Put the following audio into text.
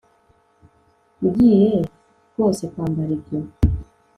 Ugiye rwose kwambara ibyo